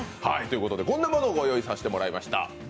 こんなものをご用意させていただきました。